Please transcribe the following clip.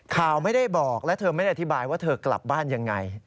ข่าวไม่ได้บอกและเธอไม่ได้อธิบายว่าเธอกลับบ้านยังไง